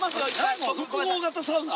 複合型サウナ。